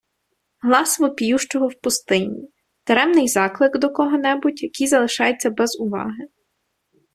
Глас вопіющого в пустині - даремний заклик до кого-небудь, який залишається без уваги